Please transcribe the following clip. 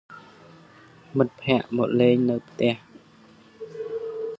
មិត្តភក្តិមកលេងនៅផ្ទះ។